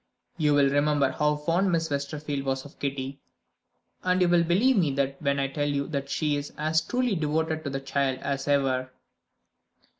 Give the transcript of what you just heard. You will remember how fond Miss Westerfield was of Kitty, and you will believe me when I tell you that she is as truly devoted to the child as ever."